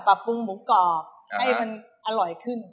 ปรุงหมูกรอบให้มันอร่อยขึ้น